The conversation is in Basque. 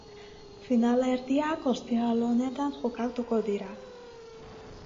Finalerdiak ostiral honetan jokatuko dira.